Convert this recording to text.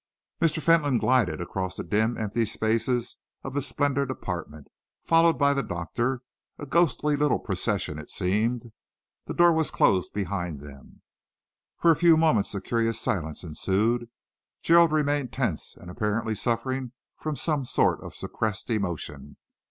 Mr. Fentolin glided across the dim, empty spaces of the splendid apartment, followed by the doctor; a ghostly little procession it seemed. The door was closed behind them. For a few moments a curious silence ensued. Gerald remained tense and apparently suffering from some sort of suppressed emotion.